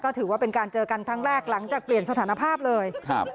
ถือว่าเป็นการเจอกันครั้งแรกหลังจากเปลี่ยนสถานภาพเลยครับ